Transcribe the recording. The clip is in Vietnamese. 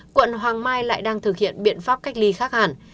quận hoàng mai lại đang thực hiện biện pháp cách ly khác hẳn